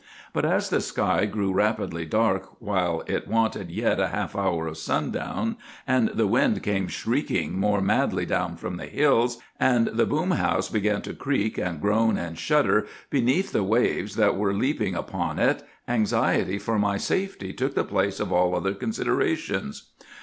But as the sky grew rapidly dark while it wanted yet a half hour of sundown, and the wind came shrieking more madly down from the hills, and the boom house began to creak and groan and shudder beneath the waves that were leaping upon it, anxiety for my safety took the place of all other considerations.